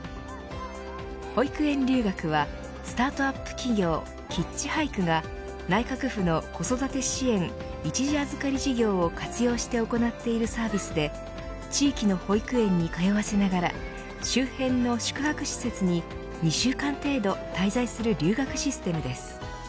保育園留学はスタートアップ企業キッチハイクが内閣府の子育て支援一時預かり事業を活用して行っているサービスで地域の保育園に通わせながら周辺の宿泊施設に２週間程度滞在する留学システムです。